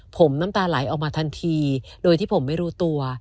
ผมน้ำตาไหลออกมาทันทีโดยที่ผมไม่รู้ตัว